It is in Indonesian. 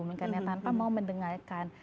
mereka tanpa mau mendengarkan